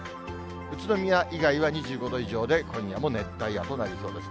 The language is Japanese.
宇都宮以外は２５度以上で今夜も熱帯夜となりそうです。